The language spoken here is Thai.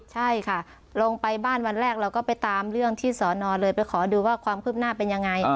ใช่ค่ะลงไปบ้านวันแรกเราก็ไปตามเรื่องที่สอนอเลยไปขอดูว่าความคืบหน้าเป็นยังไง